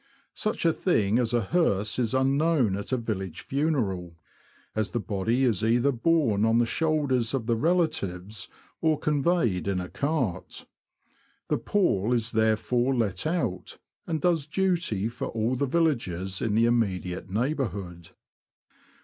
Such a thing as a hearse is unknown at a village funeral, as the body is either borne on the shoulders of the relatives or conveyed in a cart. The pall is therefore let out, and does duty for all the villages in the immediate neighbourhood.